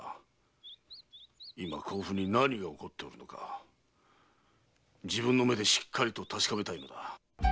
今甲府に何が起こっておるのか自分の目でしっかりと確かめたいのだ。